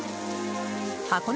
箱根